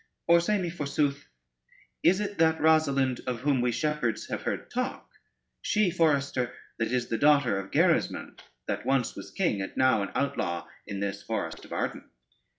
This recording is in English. Or say me forsooth, is it that Rosalynde, of whom we shepherds have heard talk, she, forester, that is the daughter of Gerismond, that once was king, and now an outlaw in the forest of Arden?"